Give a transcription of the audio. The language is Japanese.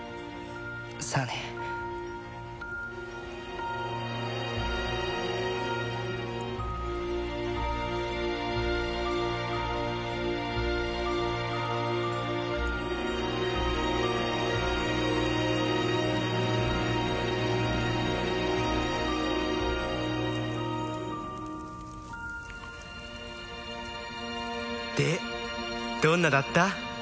さあねでどんなだった？